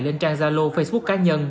lên trang zalo facebook cá nhân